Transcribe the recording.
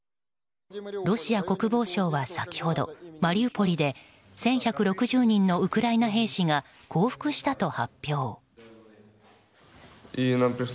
ロシア国防省は先ほど、マリウポリで１１６０人のウクライナ兵士が降伏したと発表。